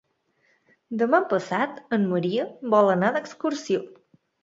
Demà passat en Maria vol anar d'excursió.